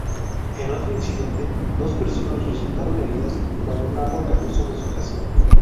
En otro incidente, dos personas resultaron heridas cuando un árbol cayó sobre su casa.